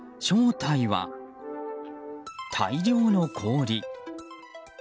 正体は大量の氷。